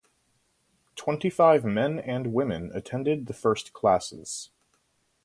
Twenty-five men and women attended the first classes.